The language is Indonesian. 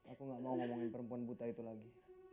aku gak mau ngomongin perempuan buta itu lagi